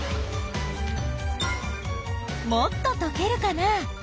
もっととけるかな？